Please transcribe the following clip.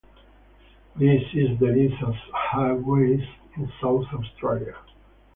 This is the list of highways in South Australia.